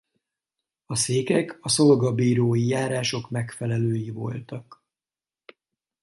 A székek a szolgabírói járások megfelelői voltak.